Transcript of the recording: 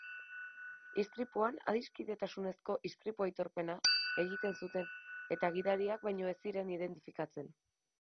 Istripuan adiskidetasunezko istripu-aitorpena egiten zuten eta gidariak baino ez ziren identifikatzen.